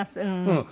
うん。